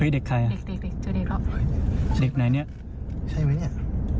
ดิ๊กใครหน้าดิ๊ก